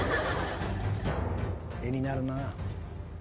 画になるな。